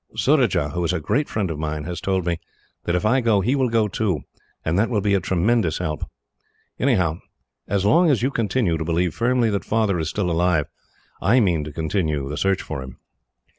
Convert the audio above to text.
Surajah, who is a great friend of mine, has told me that if I go he will go too, and that will be a tremendous help. Anyhow, as long as you continue to believe firmly that Father is still alive, I mean to continue the search for him."